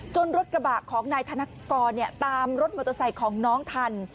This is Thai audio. รถกระบะของนายธนกรตามรถมอเตอร์ไซค์ของน้องทัน